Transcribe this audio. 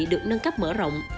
được nâng cấp mở rộng